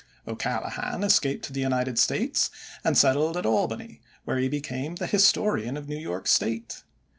O'Callaghan escaped to the United States and settled at Albany, where he became the historian of New York State.